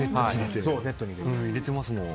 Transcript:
ネットに入れてますもん。